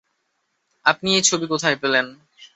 আপনি এই ছবি কোথায় পেলেন?